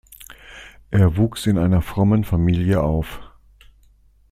Er wuchs in einer frommen Familie auf.